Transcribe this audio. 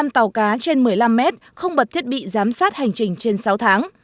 bốn ba trăm bảy mươi năm tàu cá trên một mươi năm mét không bật thiết bị giám sát hành trình trên sáu tháng